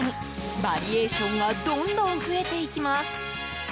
バリエーションがどんどん増えていきます。